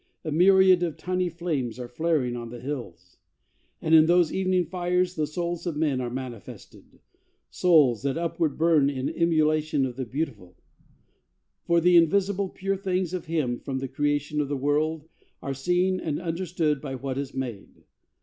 A myriad Of tiny flames are flaring on the hills; And in those evening fires the souls of men Are manifested souls that upward burn In emulation of the beautiful: For the invisible, pure things of Him From the creation of the world are seen And understood by what is made.